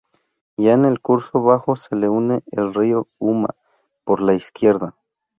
Ya en el curso bajo se le une el río Uma, por la izquierda.